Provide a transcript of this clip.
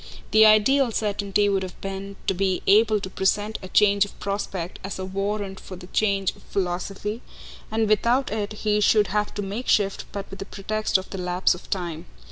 The ideal certainty would have been to be able to present a change of prospect as a warrant for the change of philosophy, and without it he should have to make shift but with the pretext of the lapse of time.